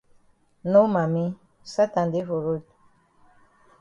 No mami Satan dey for road.